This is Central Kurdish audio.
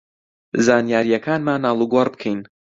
زانیارییەکانمان ئاڵوگۆڕ بکەین